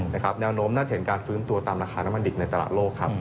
แนวโน้มน่าจะเห็นการฟื้นตัวตามราคาน้ำมันดิบในตลาดโลกครับ